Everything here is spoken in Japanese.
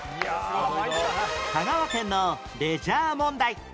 香川県のレジャー問題